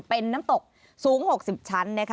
เป็นน้ำตกสูง๖๐ชั้น